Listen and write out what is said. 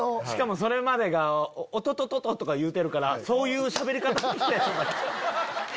しかもそれまでが「おとととと」とか言うてるからそういうしゃべり方の人やと。